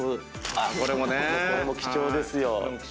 これも貴重ですよ。